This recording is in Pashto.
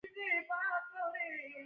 اووه تنه نور یې